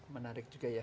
menarik juga ya